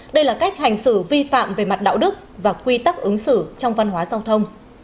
đây là cách hành xử vi phạm về mặt đạo đức và quy tắc ứng xử trong văn hóa giao thông